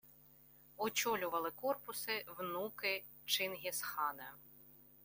Очолювали корпуси внуки Чингісхана: